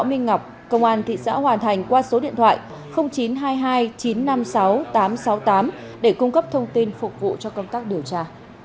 minh ngọc công an thị xã hoàn thành qua số điện thoại chín trăm hai mươi hai chín trăm năm mươi sáu tám trăm sáu mươi tám để cung cấp thông tin phục vụ cho công tác điều tra